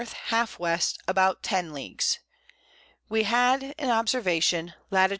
half W. about 10 Leagues. We had an Observation Lat.